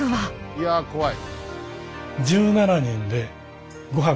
いや怖い！